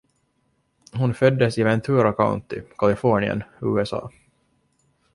Hon föddes i Ventura County, Kalifornien, USA.